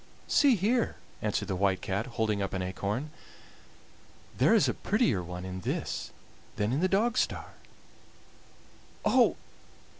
"See here," answered the White Cat, holding up an acorn; "there is a prettier one in this than in the Dogstar!" "Oh!